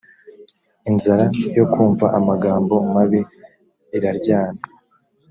inzara yo kumva amagambo mabi iraryana